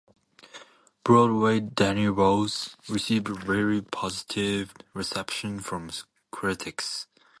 "Broadway Danny Rose" received a very positive reception from critics.